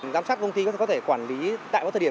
giám sát công ty có thể quản lý tại một thời điểm